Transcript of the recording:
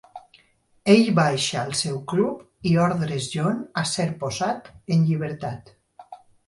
Ell baixa el seu club i ordres John a ser posat en llibertat.